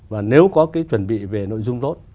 và nếu có cái chuẩn bị về nội dung tốt